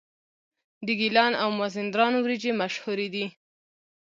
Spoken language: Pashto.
د ګیلان او مازندران وریجې مشهورې دي.